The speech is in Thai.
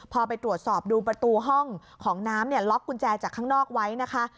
พอไปตรวจสอบดูประตูห้องของน้ำเนี่ยล็อกกุญแจจากข้างนอกไว้นะคะ